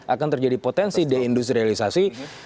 akan terjadi potensi deindustrialisasi